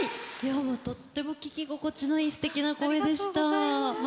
とっても聴き心地のいいすてきな声でした。